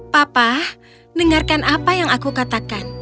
papa dengarkan apa yang aku katakan